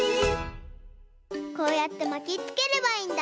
こうやってまきつければいいんだ。